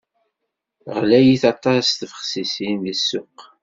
Ɣlayit aṭas tbexsisin deg ssuq.